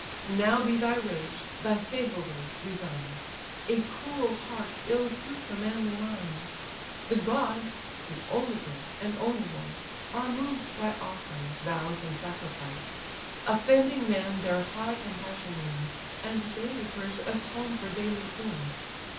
Now be thy rage, thy fatal rage, resign'd; A cruel heart ill suits a manly mind: The gods (the only great, and only wise) Are moved by offerings, vows, and sacrifice; Offending man their high compassion wins, And daily prayers atone for daily sins.